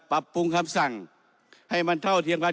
ปรับปรุงคำสั่งให้มันเท่าเทียมกัน